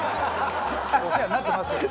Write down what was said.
お世話になってますけど。